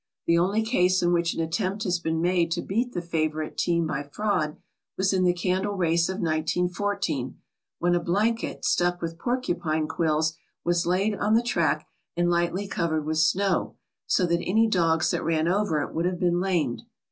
The only case in which an attempt has been made to beat the favourite team byf raud was in the Candle Race of 1914, when a blanket stuck with porcupine quills was laid on the track and lightly covered with snow, so that any dogs that ran over it would have been lamed.